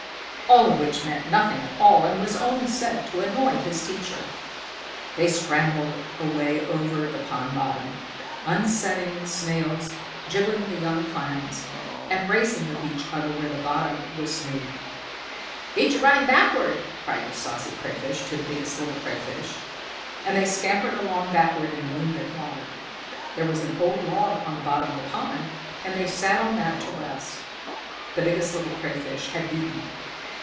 All of which meant nothing at all and was only said to annoy his teacher. They scrambled away over the pond bottom, upsetting Snails, jiggling the young Clams, and racing with each other where the bottom was smooth. "Beat you running backward!" cried the Saucy Crayfish to the Biggest Little Crayfish, and they scampered along backward in the moonlit water. There was an old log on the bottom of the pond, and they sat on that to rest. The Biggest Little Crayfish had beaten.